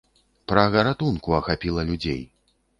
Прага ратунку ахапіла людзей.